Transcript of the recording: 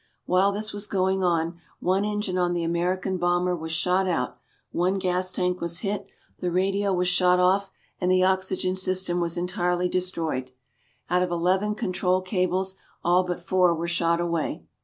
While this was going on, one engine on the American bomber was shot out, one gas tank was hit, the radio was shot off, and the oxygen system was entirely destroyed. Out of eleven control cables all but four were shot away.